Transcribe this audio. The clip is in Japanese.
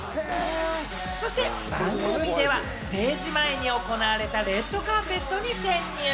そして番組ではステージ前に行われたレッドカーペットに潜入。